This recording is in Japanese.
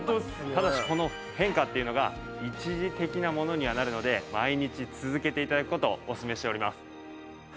ただしこの変化っていうのが一時的なものにはなるので毎日続けて頂く事をおすすめしております。